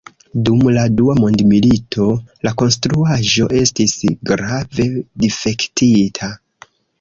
Dum la Dua Mondmilito la konstruaĵo estis grave difektita.